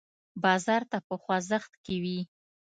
بازار تل په خوځښت کې وي.